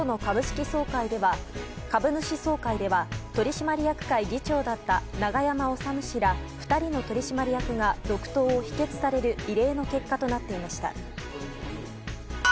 今日の株主総会では取締役会議長だった永山治氏ら２人の取締役が続投を否決される異例の結果となっていました。